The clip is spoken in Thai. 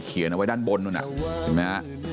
เขียนเอาไว้ด้านบนนู้นอ่ะ